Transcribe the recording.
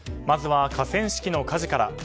まずは河川敷の火事から。